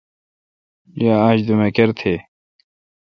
یا آج دومکر تھے°۔